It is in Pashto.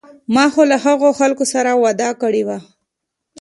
ما خو له هغو خلکو سره وعده کړې وه.